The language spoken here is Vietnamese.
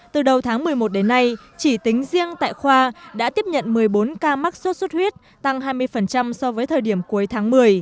từ đầu tháng một mươi một đến nay chỉ tính riêng tại khoa đã tiếp nhận một mươi bốn ca mắc sốt xuất huyết tăng hai mươi so với thời điểm cuối tháng một mươi